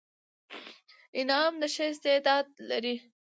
انعام د ښه استعداد لري.